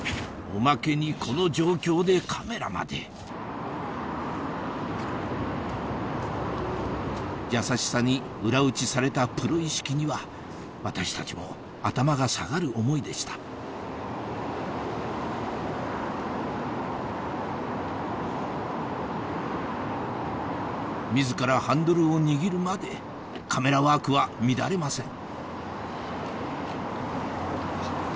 おまけにこの状況でカメラまで優しさに裏打ちされたプロ意識には私たちも頭が下がる思いでした自らハンドルを握るまでカメラワークは乱れません